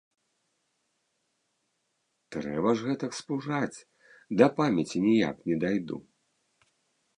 Трэба ж гэтак спужаць, да памяці ніяк не дайду.